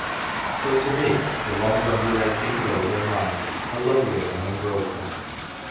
But to me the long undulating golden lines are lovelier when unbroken.